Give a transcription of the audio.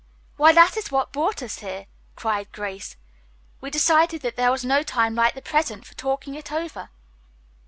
"Why, that is what brought us here!" cried Grace. "We decided that there was no time like the present for talking it over."